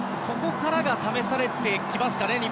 ここからが試されてきますかね。